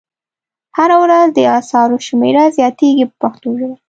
هره ورځ د اثارو شمېره زیاتیږي په پښتو ژبه.